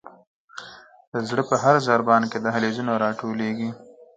د زړه په هر ضربان کې دهلیزونه را ټولیږي.